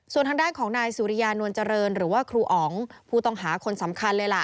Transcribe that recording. ส่วนทางด้านของนายสุริยานวลเจริญหรือว่าครูอ๋องผู้ต้องหาคนสำคัญเลยล่ะ